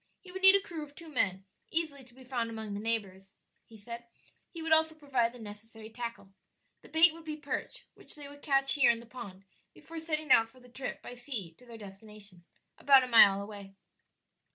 He would need a crew of two men, easily to be found among his neighbors, he said; he would also provide the necessary tackle. The bait would be perch, which they would catch here in the pond before setting out for the trip by sea to their destination about a mile away.